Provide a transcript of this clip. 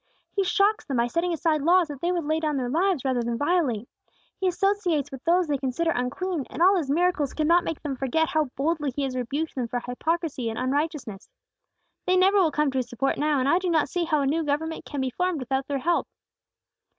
"He shocks them by setting aside laws they would lay down their lives rather than violate. He associates with those they consider unclean; and all His miracles cannot make them forget how boldly He has rebuked them for hypocrisy and unrighteousness. They never will come to His support now; and I do not see how a new government can be formed without their help."